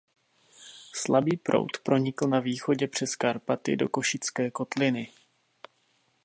Slabý proud pronikl na východě přes Karpaty do Košické kotliny.